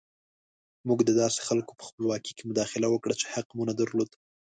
موږ د داسې خلکو په خپلواکۍ کې مداخله وکړه چې حق مو نه درلود.